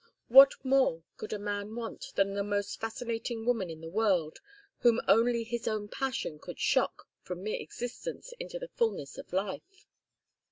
What more could a man want than the most fascinating woman in the world, whom only his own passion could shock from mere existence into the fulness of life?